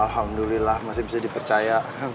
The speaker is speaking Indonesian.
alhamdulillah masih bisa dipercaya